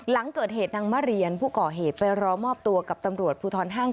หลังเกิดเหตุนางมาเรียนผู้ก่อเหตุไปรอมอบตัวกับตำรวจภูทรห้าง